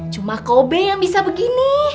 cuma kobe yang bisa begini